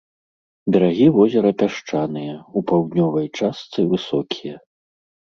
Берагі возера пясчаныя, у паўднёвай частцы высокія.